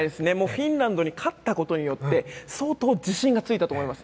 フィンランドに勝ったことによって相当自信がついたと思います。